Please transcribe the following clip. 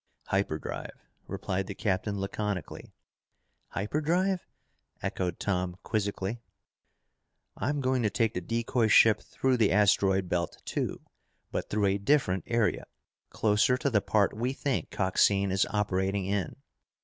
"Hyperdrive," replied the captain laconically. "Hyperdrive?" echoed Tom quizzically. "I'm going to take the decoy ship through the asteroid belt too, but through a different area, closer to the part we think Coxine is operating in.